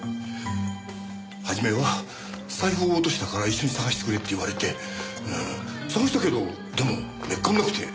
初めは「財布を落としたから一緒に捜してくれ」って言われて捜したけどでもめっかんなくて。